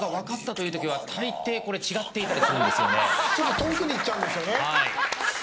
遠くにいっちゃうんですよね。